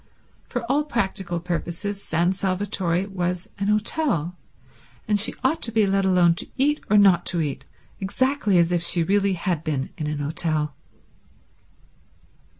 For all practical purposes San Salvatore was an hotel, and she ought to be let alone to eat or not to eat exactly as if she really had been in an hotel.